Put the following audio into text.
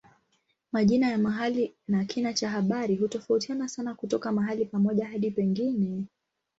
Majina ya mahali na kina cha habari hutofautiana sana kutoka mahali pamoja hadi pengine.